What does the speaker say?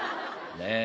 ねえ。